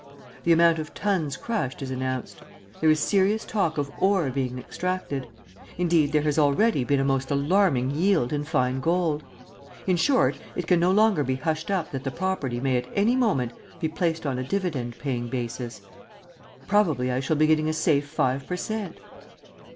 The amount of "tons crushed" is announced. There is serious talk of "ore" being "extracted"; indeed there has already been a most alarming "yield in fine gold." In short, it can no longer be hushed up that the property may at any moment be "placed on a dividend paying basis." Probably I shall be getting a safe five per cent!